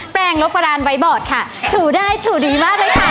แปลงลบกรานไวท์บอร์ดค่ะฉูได้ฉูดีมากเลยค่ะแล้วก็